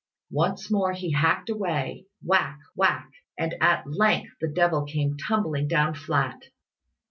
Once more he hacked away whack! whack! and at length the devil came tumbling down flat.